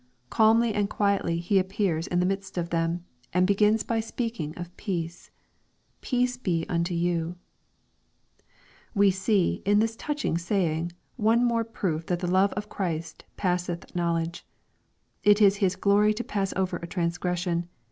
Calmly and quietly He appears in the midst of them, and begins by speaking of peace. " Peace be unto you 1" We see, in this touching saying, one more proof that the love of Christ "passeth knowledge/' It is His glory to pass over a transgression.